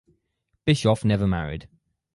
Bischoff never married.